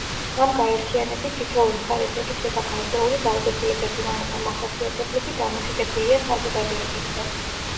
ამ გაერთიანებით თითოეულ მხარეს ეკისრება გარკვეული ვალდებულებები, რომელთა მახასიათებლები დამოკიდებულია საზოგადოებებზე.